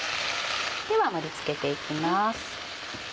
では盛り付けていきます。